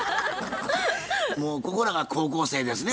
もうここらが高校生ですね